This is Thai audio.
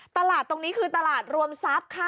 ตลาดตรงนี้คือตลาดรวมทรัพย์ค่ะ